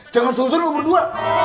jangan selesai lo berdua